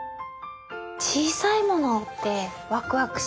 小さいものってワクワクしますよね。